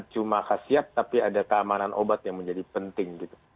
cuma khasiat tapi ada keamanan obat yang menjadi penting gitu